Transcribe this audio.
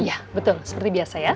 iya betul seperti biasa ya